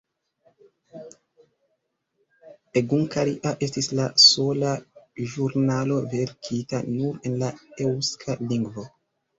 Egunkaria estis la sola ĵurnalo verkita nur en la eŭska lingvo.